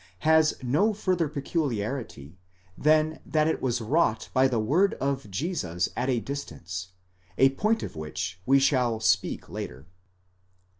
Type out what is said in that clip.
has no further pecu liarity than that it was wrought by the word of Jesus at a distance: a point of which we shall speak later.